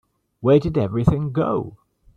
Where did everything go?